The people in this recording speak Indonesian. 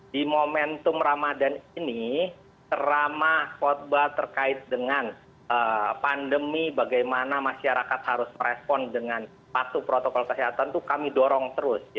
di momentum ramadan ini ceramah khutbah terkait dengan pandemi bagaimana masyarakat harus merespon dengan patuh protokol kesehatan itu kami dorong terus